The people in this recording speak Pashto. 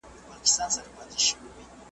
په داسي پوچو الفاظو .